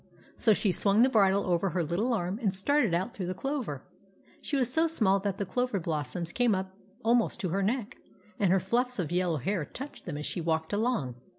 So she swung the bridle over her little arm and started out through the clover. She was so small that the clover blossoms came up almost to her neck, and her fluffs of yellow hair touched them as she walked along.